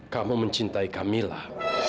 kamu mencintai kamilah